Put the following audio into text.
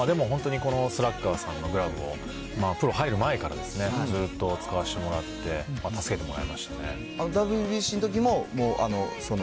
でも本当にこのスラッガーさんのグラブを、プロ入る前からずっと使わせてもらって、助けてもらいＷＢＣのときもその？